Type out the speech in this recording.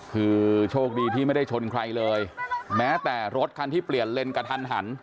คือโชคดีที่ไม่ได้ชนใครเลยแม้แต่รถคันที่เปลี่ยนเลนกระทันหัน